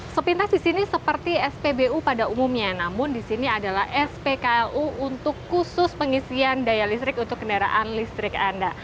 sepintas di sini seperti spbu pada umumnya namun di sini adalah spklu untuk khusus pengisian daya listrik untuk kendaraan listrik anda